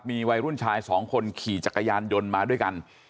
มีวัยรุ่นชายสองคนขี่จักรยานยนต์มาด้วยกัน